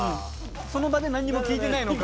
その場でなんにも聞いてないのか。